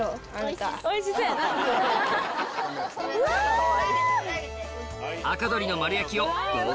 おいしい？